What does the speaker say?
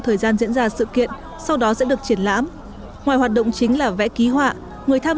thời gian diễn ra sự kiện sau đó sẽ được triển lãm ngoài hoạt động chính là vẽ ký họa người tham